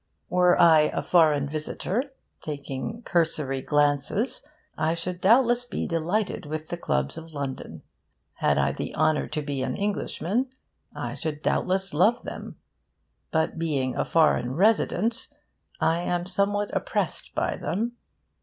Were I a foreign visitor, taking cursory glances, I should doubtless be delighted with the clubs of London. Had I the honour to be an Englishman, I should doubtless love them. But being a foreign resident, I am somewhat oppressed by them.